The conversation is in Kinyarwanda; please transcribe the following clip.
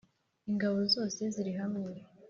Ingabo zose zirihamwe .